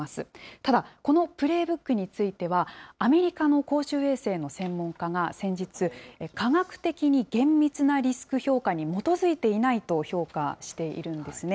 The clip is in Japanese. ただこのプレイブックについてはアメリカの公衆衛生の専門家が先日、科学的に厳密なリスク評価に基づいていないと評価しているんですね。